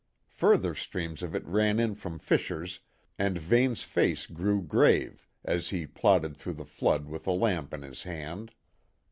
Further streams of it ran in from fissures, and Vane's face grew grave as he plodded through the flood with a lamp in his hand.